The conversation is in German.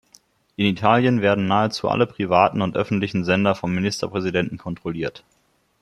In Italien werden nahezu alle privaten und öffentlichen Sender vom Ministerpräsidenten kontrolliert.